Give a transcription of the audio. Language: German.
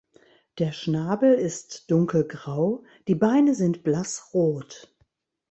Der Schnabel ist dunkelgrau, die Beine sind blassrot.